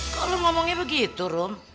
kok lo ngomongnya begitu rum